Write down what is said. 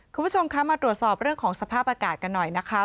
คุณผู้ชมคะมาตรวจสอบเรื่องของสภาพอากาศกันหน่อยนะคะ